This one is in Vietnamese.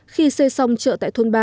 khi xây xong chợ tại thôn ba